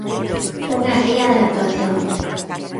¡Unha guía de actuación!